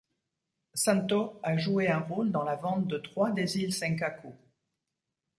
Santō a joué un rôle dans la vente de trois des îles Senkaku.